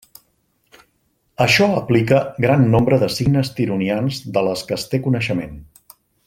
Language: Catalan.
Això aplica gran nombre de signes tironians de les que es té coneixement.